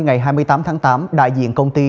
ngày hai mươi tám tháng tám đại diện công ty